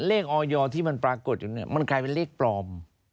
เลขออยอที่มันปรากฎอยู่มันกลายไปเลขปลอม